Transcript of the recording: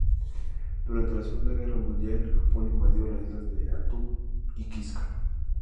Durante la Segunda Guerra Mundial, Japón invadió las islas de Attu y Kiska.